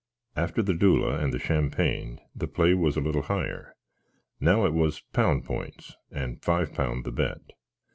After the dewle and the shampang the play was a little higher. Now it was pound pints, and five pound the bet.